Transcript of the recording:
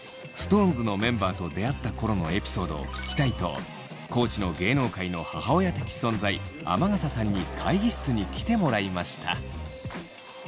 ＳｉｘＴＯＮＥＳのメンバーと出会った頃のエピソードを聞きたいと地の芸能界の母親的存在天笠さんに会議室に来てもらいました。